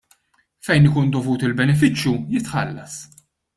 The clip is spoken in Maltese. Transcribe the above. Fejn ikun dovut il-benefiċċju jitħallas.